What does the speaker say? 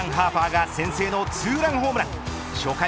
４番ハーパーが先制のツーランホームラン。